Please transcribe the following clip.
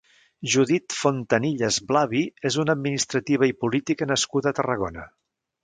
Judit Fontanillas Blavi és una administrativa i política nascuda a Tarragona.